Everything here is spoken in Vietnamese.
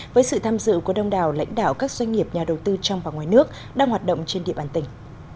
với sự tham dự của đông đảo lãnh đạo các doanh nghiệp nhà đầu tư trong và ngoài nước đang hoạt động trên địa bàn tỉnh